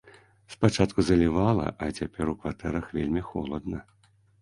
Спачатку залівала, а цяпер у кватэрах вельмі холадна.